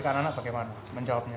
anak anak bagaimana menjawabnya